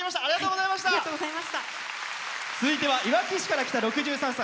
続いてはいわき市から来た６３歳。